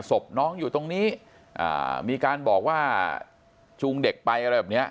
ศพน้องอยู่ตรงนี้อ่ามีการบอกว่าจูงเด็กไปอะไรแบบเนี้ย